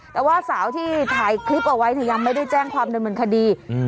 แต่ว่าสาวที่ถ่ายคลิปเอาไว้ยังไม่ได้แจ้งความเดินบรรคดีอืม